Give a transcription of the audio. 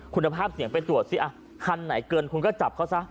คุณภาพเสียงไปตรวจสิคันไหนเกินคุณก็จับเขาซะ